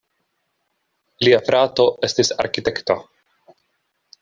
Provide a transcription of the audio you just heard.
Lia frato estis arkitekto.